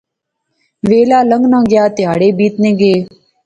ویلا لنگنا گیا۔ تہاڑے بیتنے گئے